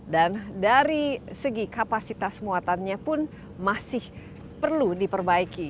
dan dari segi kapasitas muatannya pun masih perlu diperbaiki